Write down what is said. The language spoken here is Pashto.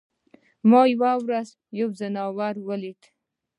ما یوه ورځ یو ځناور ولید.